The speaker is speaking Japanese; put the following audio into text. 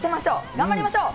頑張りましょう！